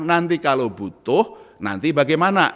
nanti kalau butuh nanti bagaimana